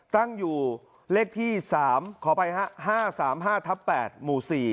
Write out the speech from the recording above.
ตั้งอยู่เลขที่๓ขอไป๕๓๕๘หมู่๔